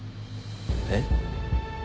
えっ？